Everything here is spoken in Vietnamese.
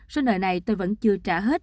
sau nơi này tôi vẫn chưa trả hết